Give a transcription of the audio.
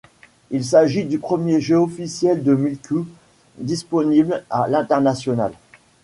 Il s'agit du premier jeu officiel de Miku disponible à l'international.